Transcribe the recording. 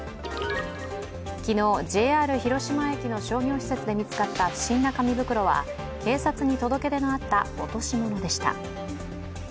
昨日、ＪＲ広島駅の商業施設で見つかった不審な紙袋は警察に届け出のあった落とし物でした。